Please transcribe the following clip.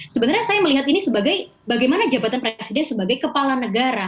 sebenarnya saya melihat ini sebagai bagaimana jabatan presiden sebagai kepala negara